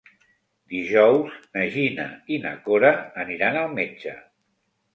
Dijous na Gina i na Cora aniran al metge.